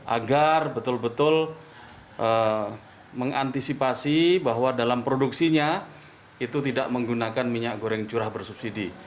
agar betul betul mengantisipasi bahwa dalam produksinya itu tidak menggunakan minyak goreng curah bersubsidi